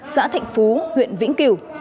xã thạnh phú huyện vĩnh kiểu